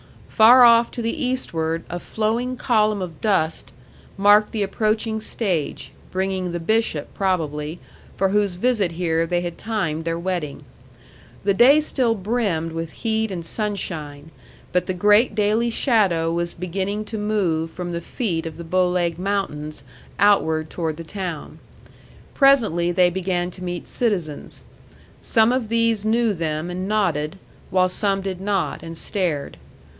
Far off to the eastward a flowing column of dust marked the approaching stage, bringing the bishop, probably, for whose visit here they had timed their wedding. The day still brimmed with heat and sunshine; but the great daily shadow was beginning to move from the feet of the Bow Leg Mountains outward toward the town. Presently they began to meet citizens. Some of these knew them and nodded, while some did not, and stared.